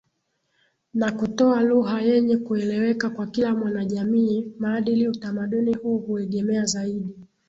na kutoa lugha yenye kueleweka kwa kila mwanajamii Maadili Utamaduni huu huegemea zaidi